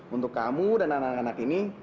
untuk kamu dan anak anak ini